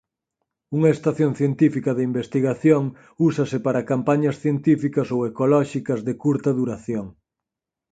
Unha estación científica de investigación úsase para campañas científicas ou ecolóxicas de curta duración.